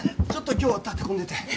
ちょっと今日は立て込んでて。